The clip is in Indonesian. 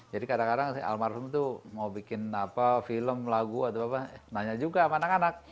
jadi kadang kadang almarhum itu mau bikin film lagu nanya juga sama anak anak